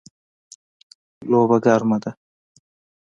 لوبه ګرمه ده